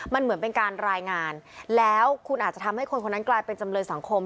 มันเหมือนเป็นการรายงานแล้วคุณอาจจะทำให้คนคนนั้นกลายเป็นจำเลยสังคม